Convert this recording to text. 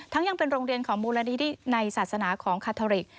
ยังเป็นโรงเรียนของมูลนิธิในศาสนาของคาทอริก